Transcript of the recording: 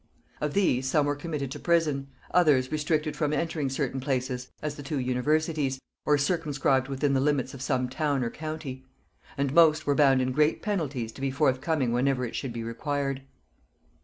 Of these, some were committed to prison, others restricted from entering certain places, as the two universities, or circumscribed within the limits of some town or county; and most were bound in great penalties to be forthcoming whenever it should be required.